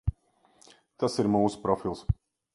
Tas ir mūsu profils.